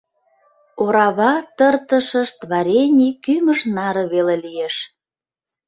Орава тыртышышт варений кӱмыж наре веле лиеш.